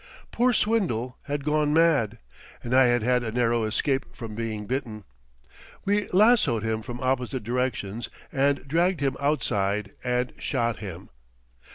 Poor Swindle had gone mad; and I had had a narrow escape from being bitten. We lassoed him from opposite directions and dragged him outside and shot him.